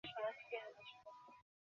দয়া করে সংবাদটি জানালে বিশেষ বাধিত হব।